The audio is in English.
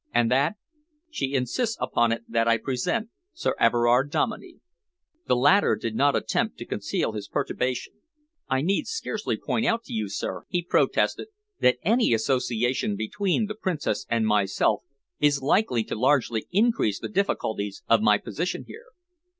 "And that?" "She insists upon it that I present Sir Everard Dominey." The latter did not attempt to conceal his perturbation. "I need scarcely point out to you, sir," he protested, "that any association between the Princess and myself is likely to largely increase the difficulties of my position here."